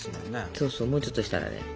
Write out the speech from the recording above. そうそうもうちょっとしたらね。